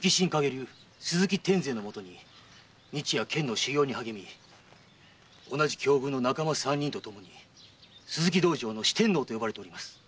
流・鈴木天膳のもと日夜剣の修行に励み同じ境遇の仲間三人と共に鈴木道場の「四天王」と呼ばれております。